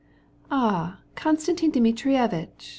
"Ah, Konstantin Dmitrievitch!